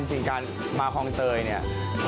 จริงการมาคล่องเตย